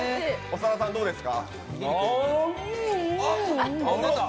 長田さん、どうですか？